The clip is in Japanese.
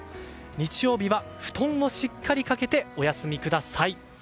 日曜日は布団をしっかりかけてお休みください。